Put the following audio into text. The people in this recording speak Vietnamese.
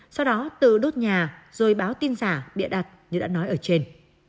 sau đó tự đốt nhà rồi báo tin giả bịa đặt như đã nói ở trên